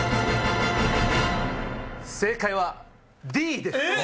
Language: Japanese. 正解はＤです。